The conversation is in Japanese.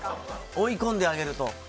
追い込んであげると。